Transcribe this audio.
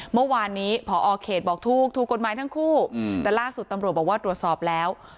เมื่อวานนี้พอเขตบอกถูกถูกกฎหมายทั้งคู่แต่ล่าสุดตำรวจบอกว่าตรวจสอบแล้ว